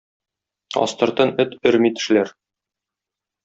Астыртын эт өрми тешләр.